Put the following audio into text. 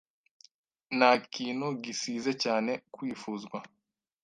Nta kintu gisize cyane kwifuzwa. (